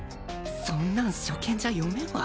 そんなん初見じゃ読めんわ。